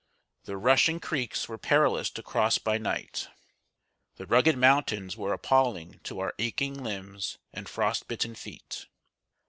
The rushing creeks were perilous to cross by night. The rugged mountains were appalling to our aching limbs and frost bitten feet.